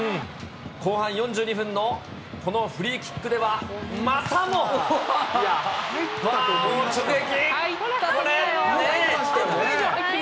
後半４２分のこのフリーキックでは、またも！入ったと思った。